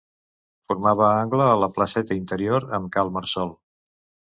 Formava angle a la placeta interior amb Cal Marçol.